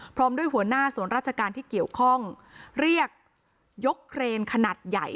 พร้อมด้วยหัวหน้าส่วนราชการที่เกี่ยวข้องเรียกยกเครนขนาดใหญ่